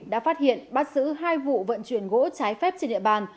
đã phát hiện bắt xử hai vụ vận chuyển gỗ trái phép trên địa bàn